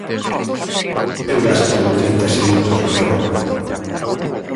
Eu gasto trinta segundos na forma.